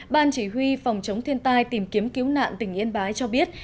ban chỉ huy phòng chống thiên tai tìm kiếm cứu nạn tỉnh yên bái cho biết